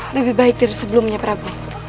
lebih baik dari sebelumnya prabu